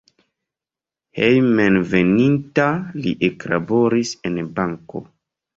Hejmenveninta li eklaboris en banko.